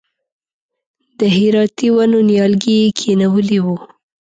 د هراتي ونو نیالګي یې کښېنولي و.